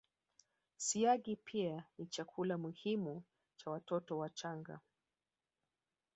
Siagi pia ni chakula muhimu cha watoto wachanga